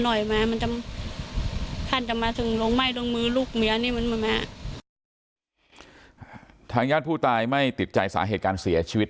จน๘โมงเช้าวันนี้ตำรวจโทรมาแจ้งว่าพบเป็นศพเสียชีวิตแล้ว